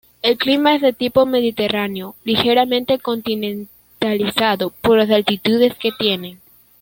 El clima es de tipo mediterráneo ligeramente continentalizado, por las altitudes que tiene.